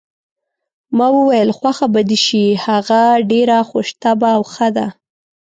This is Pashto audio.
ما وویل: خوښه به دې شي، هغه ډېره خوش طبع او ښه ده.